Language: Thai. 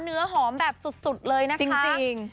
เนื้อหอมแบบสุดเลยนะคะจริง